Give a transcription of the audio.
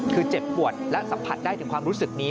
คือเจ็บปวดและสัมผัสได้ถึงความรู้สึกนี้